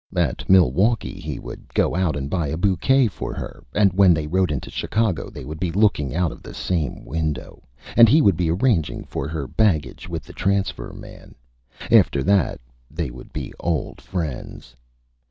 At Milwaukee he would go out and buy a Bouquet for her, and when they rode into Chicago they would be looking out of the same Window, and he would be arranging for her Baggage with the Transfer Man. After that they would be Old Friends.